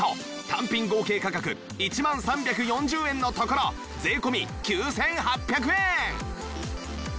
単品合計価格１万３４０円のところ税込９８００円